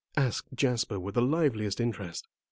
asked Jasper, with the liveliest interest.